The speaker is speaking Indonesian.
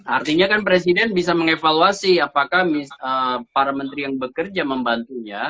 artinya kan presiden bisa mengevaluasi apakah para menteri yang bekerja membantunya